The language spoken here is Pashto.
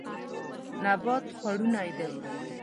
نبات خوړنی دی.